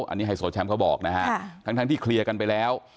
อันนี้ไฮโซแชมป์เขาบอกนะฮะทั้งที่เคลียร์กันไปแล้ว